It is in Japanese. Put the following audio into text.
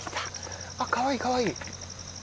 かわいい、かわいい！